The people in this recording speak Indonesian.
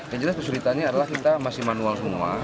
yang jelas kesulitannya adalah kita masih manual semua